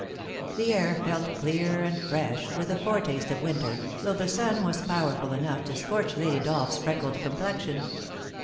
The air felt clear and fresh, with the foretaste of winter, though the sun was power ful enough to scorch Lady Dolph's freckled complexion.